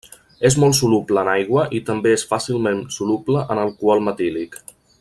És molt soluble en aigua i també és fàcilment soluble en alcohol metílic.